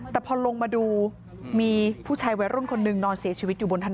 แต่พอลงมาดูมีผู้ชายวัยรุ่นคนหนึ่งนอนเสียชีวิตอยู่บนถนน